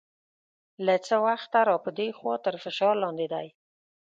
له څه وخته را په دې خوا تر فشار لاندې دی.